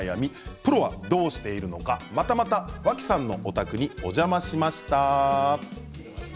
プロはどうしているのかまたまた脇さんのお宅にお邪魔しました。